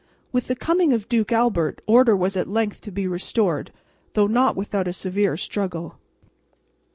With the coming of Duke Albert order was at length to be restored, though not without a severe struggle.